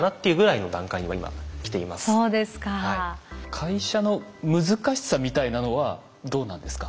会社の難しさみたいなのはどうなんですか？